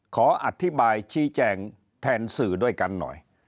ขออธิบายชี้แจงแทนสื่อด้วยกันหน่อย